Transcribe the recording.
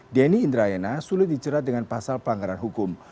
denny indrayana sulit dicerat dengan pasal pelanggaran hukum